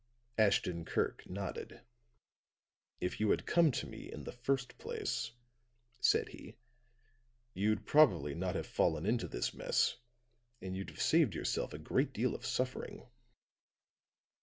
Ashton Kirk nodded. "If you had, come to me in the first place," said he, "you'd probably not have fallen into this mess, and you'd have saved yourself a great deal of suffering."